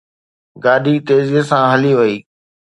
گاڏي تيزيءَ سان هلي وئي